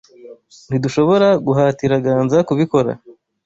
Ntidushobora guhatira Ganza kubikora.